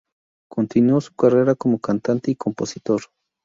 Continuó su carrera como cantante y compositor.